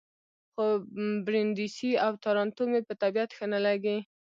خو برېنډېسي او تارانتو مې په طبیعت ښه نه لګي.